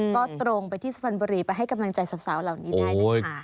ก็ตรงไปที่สุพรรณบุรีไปให้กำลังใจสาวเหล่านี้ได้นะคะ